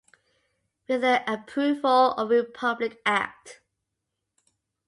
With the approval of Republic Act.